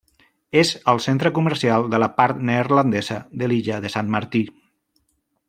És el centre comercial de la part neerlandesa de l'illa de Sant Martí.